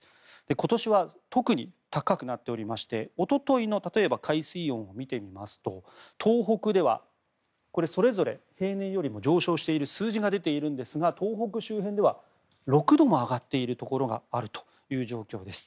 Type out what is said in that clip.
今年は特に高くなっておりましておとといの、例えば海水温を見てみますと東北では、それぞれ平年よりも上昇している数字が出ているんですが東北周辺では６度も上がっているところがあるという状況です。